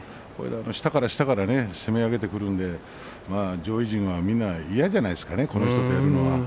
下から下から攻め上げてくるので上位陣はみんな嫌じゃないですかこの人とやるのは。